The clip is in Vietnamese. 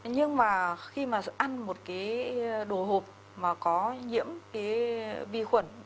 nhưng mà khi mà ăn một cái đồ hộp mà có nhiễm cái vi khuẩn